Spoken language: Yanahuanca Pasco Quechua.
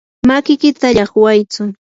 matikita llaqwaytsu.